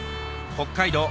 北海道